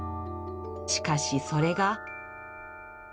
しかしそれが。